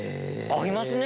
合いますね